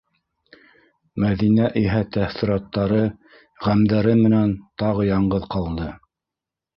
Мәҙинә иһә тәьҫораттары, ғәмдәре менән тағы яңғыҙ ҡалды.